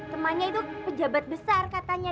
temannya itu pejabat besar katanya